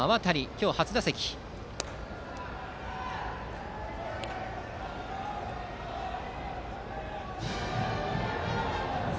今日、初打席です。